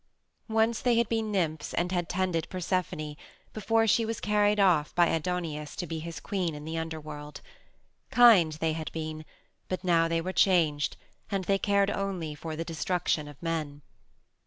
Once they had been nymphs and had tended Persephone before she was carried off by Aidoneus to be his queen in the Underworld. Kind they had been, but now they were changed, and they cared only for the destruction of men.